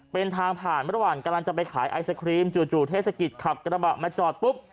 เป็นทางผ่านระหว่างกำลังจะไปขายไอศครีมจู่เทศกิจขับกระบะมาจอดปุ๊บ